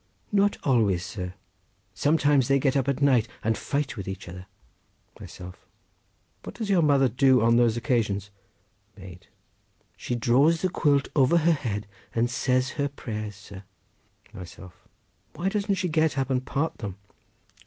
—Not always, sir; sometimes they get up at night and fight with each other. Myself.—What does your mother do on those occasions? Maid.—She draws the quilt over her head, and says her prayers, sir. Myself.—Why doesn't she get up and part them?